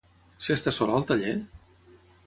S'hi està sol al taller?